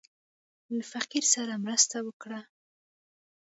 له فقير سره مرسته وکړه.